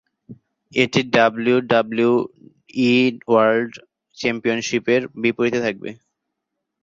এটি WWE world চ্যাম্পিয়নশিপের বিপরীতে থাকবে।